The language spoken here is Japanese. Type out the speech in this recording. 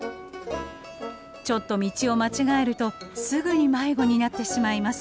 ちょっと道を間違えるとすぐに迷子になってしまいます。